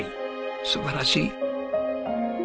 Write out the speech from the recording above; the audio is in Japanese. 素晴らしい！